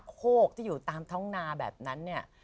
โคกที่อยู่ตามท้องนาแบบนั้นเนี่ย